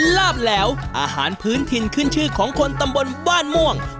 ลาบแล้วอาหารพื้นถิ่นขึ้นชื่อของคนตำบลบ้านม่วง